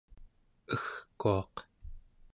egkuaq